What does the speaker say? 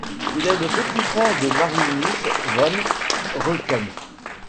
Il est le petit frère de Marinus van Rekum.